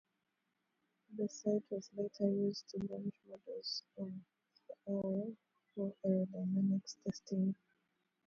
The site was later used to launch models of the Arrow for aerodynamics testing.